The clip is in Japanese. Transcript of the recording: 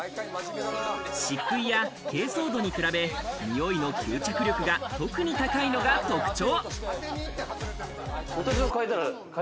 漆喰や珪藻土に比べ、臭いの吸着力が特に高いのが特徴。